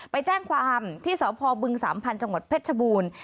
ไปแจ้งความที่สพบึงสามพันธุ์จังหวัดเพชรชบูรณ์